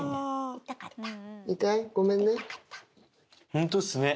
ホントっすね。